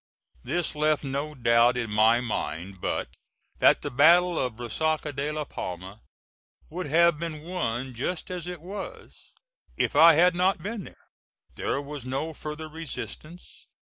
This left no doubt in my mind but that the battle of Resaca de la Palma would have been won, just as it was, if I had not been there. There was no further resistance.